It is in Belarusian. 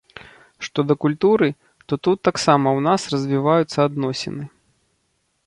Што да культуры, то тут таксама ў нас развіваюцца адносіны.